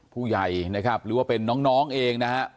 ผู้ใหญ่นะครับหรือว่าเป็นน้องเองนะฮะ